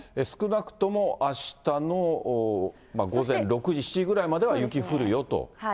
少なくともあしたの午前６時、７時ぐらいまでは雪降るよと。